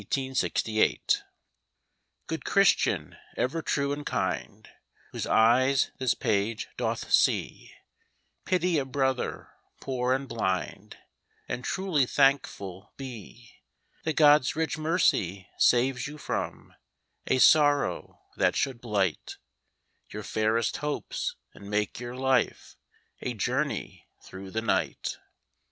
••• Good Christian, ever true and kind, AVhoso eyes this page doth see, Pity a brother, poor and blind, And truly thankful be— That God's rieh mercy saves you from A sorrow that should blight Your fairest hopes and make your life A journey through the night.